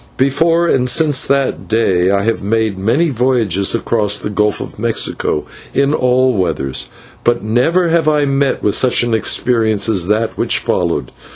Before and since that day I have made many voyages across the Gulf of Mexico in all weathers, but never have I met with such an experience as that which followed.